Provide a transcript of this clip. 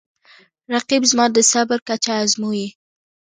رقیب زما د صبر کچه ازموي